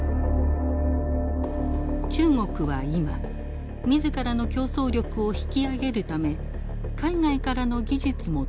中国は今自らの競争力を引き上げるため海外からの技術も取り込もうとしています。